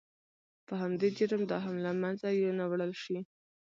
په همدې جرم دا هم له منځه یو نه وړل شي.